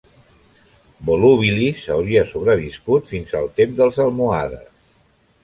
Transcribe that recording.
Volubilis hauria sobreviscut fins al temps dels almohades.